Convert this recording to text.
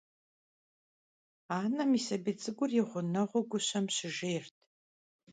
Анэм и сабий цӀыкӀур и гъунэгъуу гущэм щыжейрт.